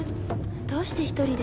どうして１人で。